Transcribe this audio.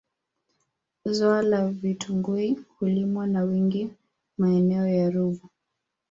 Zao la vitungui hulimwa wa wingi maeneo ya Ruvu